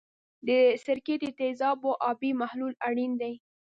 د سرکې د تیزابو آبي محلول اړین دی.